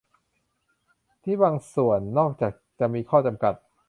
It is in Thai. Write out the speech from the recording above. ที่บางส่วน นอกจากจะมีข้อจำกัด